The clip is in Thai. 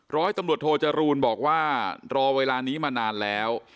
ร้อยตำรวจโทจรูลบอกว่ารอเวลานี้มานานแล้ว